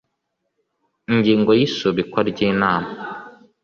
ingingo ya isubikwa ry inama